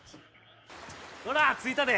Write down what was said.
ほら着いたで。